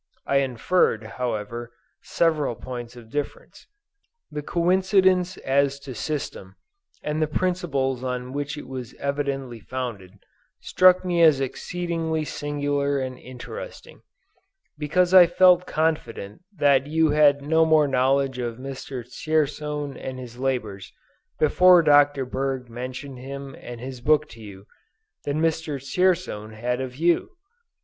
I inferred, however, several points of difference. The coincidence as to system, and the principles on which it was evidently founded, struck me as exceedingly singular and interesting, because I felt confident that you had no more knowledge of Mr. Dzierzon and his labors, before Dr. Berg mentioned him and his book to you, than Mr. Dzierzon had of you.